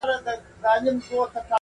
هغه ځان ته نوی ژوند لټوي,